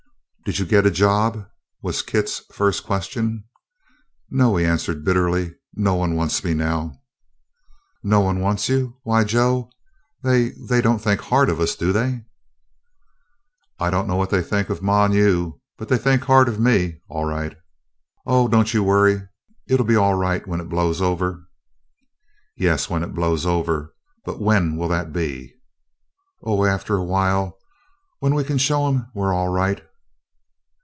"Did you get a job?" was Kit's first question. "No," he answered bitterly, "no one wants me now." "No one wants you? Why, Joe they they don't think hard of us, do they?" "I don't know what they think of ma and you, but they think hard of me, all right." "Oh, don't you worry; it 'll be all right when it blows over." "Yes, when it all blows over; but when 'll that be?" "Oh, after a while, when we can show 'em we 're all right."